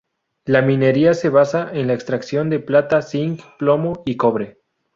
La minería se basa en la extracción de plata, zinc, plomo y cobre.